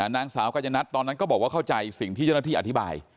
นายกัญญนัทตอนนั้นก็บอกว่าเข้าใจสิ่งที่เจ้าหน้าที่อธิบาย